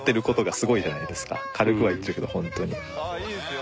ああいいですよ。